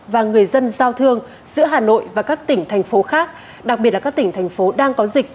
và người dân giao thương giữa hà nội và các tỉnh thành phố khác đặc biệt là các tỉnh thành phố đang có dịch